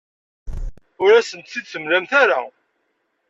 Ur asent-t-id-temlamt ara.